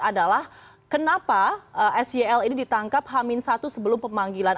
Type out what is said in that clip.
adalah kenapa sel ini ditangkap hamin satu sebelum pemanggilan